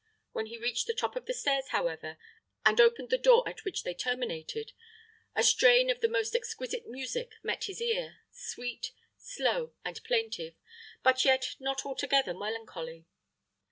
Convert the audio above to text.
When he reached the top of the stairs, however, and opened the door at which they terminated, a strain of the most exquisite music met his ear, sweet, slow, and plaintive, but yet not altogether melancholy.